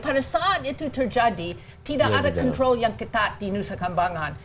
pada saat itu terjadi tidak ada kontrol yang ketat di nusa kambangan